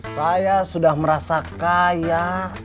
saya sudah merasa kaya